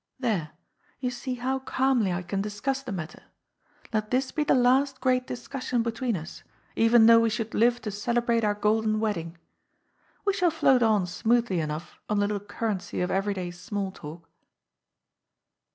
There, you see how calmly I can discuss the matter. Let this be the last great discussion between us, even though we should live to celebrate our golden wedding. We shall float on smoothly enough on the little currency of everyday small talk."